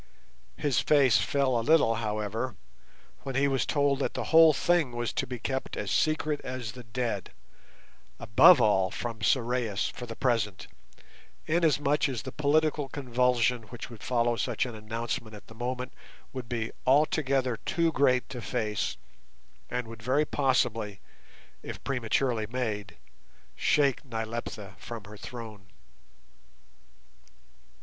His face fell a little, however, when he was told that the whole thing was to be kept as secret as the dead, above all from Sorais for the present, inasmuch as the political convulsion which would follow such an announcement at the moment would be altogether too great to face and would very possibly, if prematurely made, shake Nyleptha from her throne.